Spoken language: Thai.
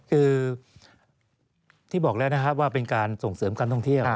คือที่บอกแล้วนะครับว่าเป็นการส่งเสริมการท่องเที่ยว